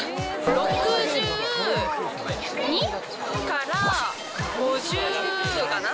６２から５０かな。